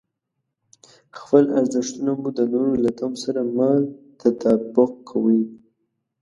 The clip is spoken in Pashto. خپل ارزښتونه مو د نورو له تمو سره مه تطابق کوئ.